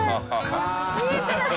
見えてない！